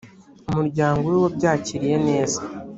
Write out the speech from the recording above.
umuryango we wabyakiriye neza